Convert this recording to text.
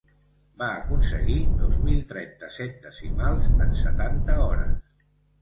Va aconseguir dos mil trenta-set decimals en setanta hores.